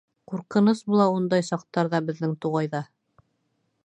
Ҡурҡыныс була ундай саҡтарҙа беҙҙең туғайҙа.